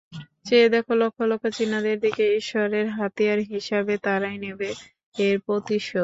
চেয়ে দেখ লক্ষ লক্ষ চীনাদের দিকে, ঈশ্বরের হাতিয়ার হিসাবে তারাই নেবে এর প্রতিশোধ।